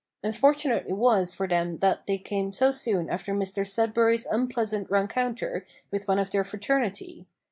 Unfortunate it was for them that they came so soon after Mr Sudberry's unpleasant rencounter with one of their fraternity.